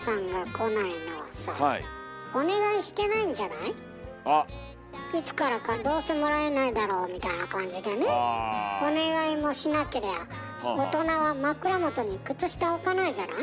いつからか「どうせもらえないだろう」みたいな感じでねお願いもしなけりゃ大人は枕元に靴下置かないじゃない？